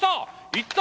いった。